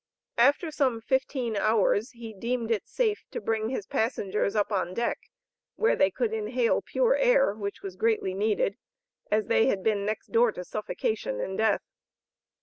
After some fifteen hours he deemed it safe to bring his passengers up on deck where they could inhale pure air which was greatly needed, as they had been next door to suffocation and death.